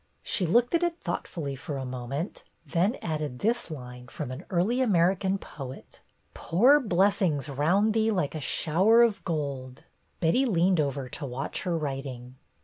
She looked at it thoughtfully for a moment, then added this line from an early American poet: "Pour blessings round thee like a shower of gold!" Betty leaned over to watch her writing.